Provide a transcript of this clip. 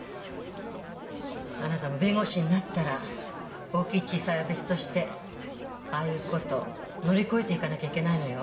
あなたも弁護士になったら大きい小さいは別としてああいうこと乗り越えていかなきゃいけないのよ。